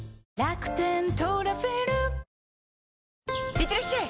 いってらっしゃい！